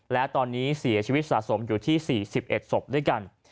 และตอนนี้เสียชีวิตสะสมอยู่ที่๔๑ศพด้วยกัน